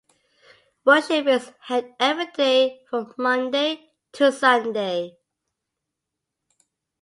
Worship is held everyday from Monday to Sunday.